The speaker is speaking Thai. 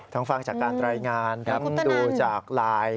ทั้งฟังจากการตรายงานดูจากลาย